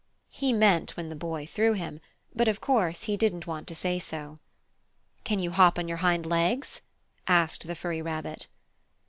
He meant when the Boy threw him, but of course he didn't want to say so. "Can you hop on your hind legs?" asked the furry rabbit.